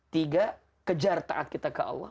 tiga kejar taat kita ke allah